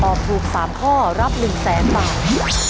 ถูก๓ข้อรับ๑๐๐๐๐บาท